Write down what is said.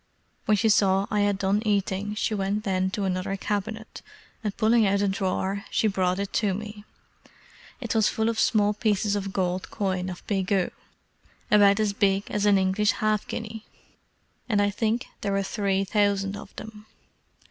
When she saw I had done eating, she went then to another cabinet, and pulling out a drawer, she brought it to me; it was full of small pieces of gold coin of Pegu, about as big as an English half guinea, and I think there were three thousand of them.